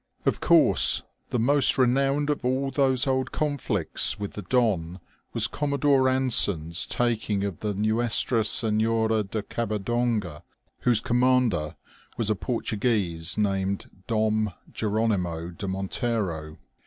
Of course, the most renowned of all those old conflicts with the Don was Commodore Anson's taking of the Nuestra Senhora de Cabadonga, whose commander was ' a Portuguese named Dom Jeronimo de Montero.